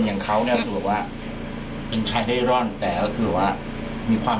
อย่างเขาเนี่ยก็คือแบบว่าเป็นชายเร่ร่อนแต่ก็คือว่ามีความ